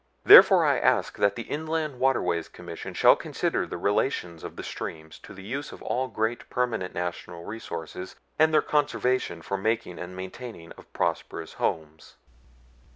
Therefore I ask that the Inland Waterways Commission shall consider the relations of the streams to the use of all the great permanent natural resources and their conservation for the making and maintenance of prosperous homes."